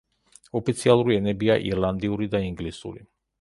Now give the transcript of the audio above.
ოფიციალური ენებია ირლანდიური და ინგლისური.